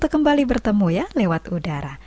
kembali bertemu ya lewat udara